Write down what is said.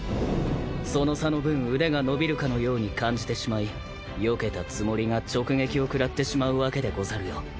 その差の分腕が伸びるかのように感じてしまいよけたつもりが直撃を食らってしまうわけでござるよ。